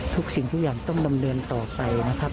สิ่งทุกอย่างต้องดำเนินต่อไปนะครับ